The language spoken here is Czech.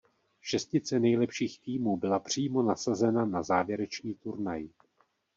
Šestice nejlepších týmů byla přímo nasazena na závěrečný turnaj.